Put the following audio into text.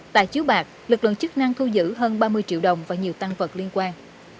tại chiếu bạc lực lượng chức năng thu giữ hơn ba mươi triệu đồng và nhiều tăng vật liên quan